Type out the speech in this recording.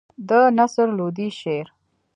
د نصر لودي شعر.